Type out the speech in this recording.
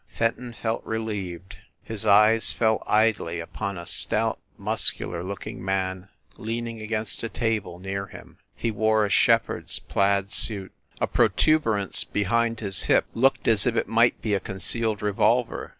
Fenton felt relieved. His eyes fell idly upon a stout, muscular looking man leaning against a table near him. He wore a shepherd s plaid suit. A protuber ance behind his hip looked as if it might be a con cealed revolver.